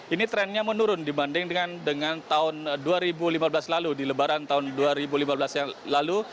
ini trennya menurun dibanding dengan tahun dua ribu lima belas lalu di lebaran tahun dua ribu lima belas yang lalu